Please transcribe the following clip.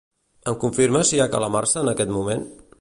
Em confirmes si hi ha calamarsa en aquest moment?